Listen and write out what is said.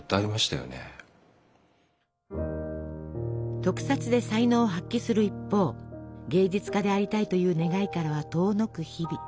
特撮で才能を発揮する一方芸術家でありたいという願いからは遠のく日々。